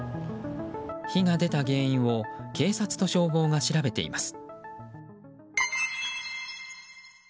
火が出た原因を警察と消防が調べています。